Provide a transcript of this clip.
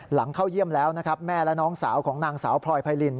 หลังเข้าเยี่ยมแล้วแม่และน้องสาวของนางสาวพลอยภัยรินทร์